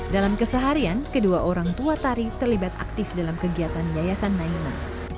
dalam keseharian kedua orang tua tari terlibat aktif dalam kegiatan yayasan naina